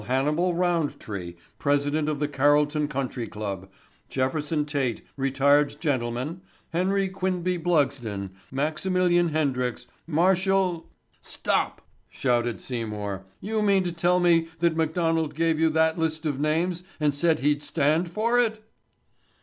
Hannibal Roundtree, president of the Carrolton Country Club; Jefferson Tait, retired gentleman; Henry Quinby Blugsden, Maximilian Hendricks, Marshall...." "Stop," shouted Seymour. "You mean to tell me that McDonald gave you that list of names and said he'd stand for it?"